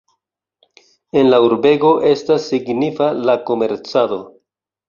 En la urbego estas signifa la komercado.